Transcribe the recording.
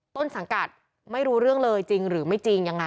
ต้นสังกัดไม่รู้เรื่องเลยจริงหรือไม่จริงยังไง